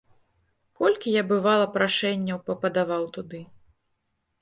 Колькі я, бывала, прашэнняў пападаваў туды.